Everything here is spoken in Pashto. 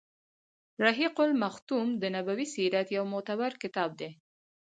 رحيق المختوم د نبوي سیرت يو معتبر کتاب دی.